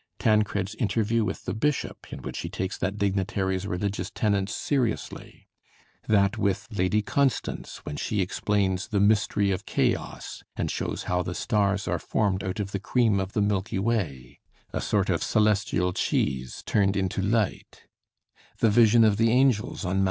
Tancred's interview with the bishop, in which he takes that dignitary's religious tenets seriously; that with Lady Constance, when she explains the "Mystery of Chaos" and shows how "the stars are formed out of the cream of the Milky Way, a sort of celestial cheese churned into light" the vision of the angels on Mt.